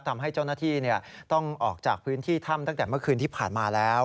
ทำให้เจ้าหน้าที่ต้องออกจากพื้นที่ถ้ำตั้งแต่เมื่อคืนที่ผ่านมาแล้ว